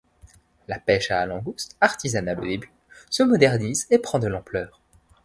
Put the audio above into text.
La pêche à la langouste, artisanale au début, se modernise et prend de l'ampleur.